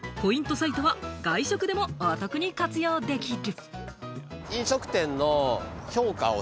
サイトは外食でもお得に活用できる。